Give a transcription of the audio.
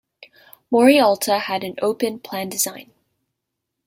Morialta had an open plan design.